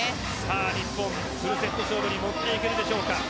日本、フルセット勝負に持っていけるでしょうか。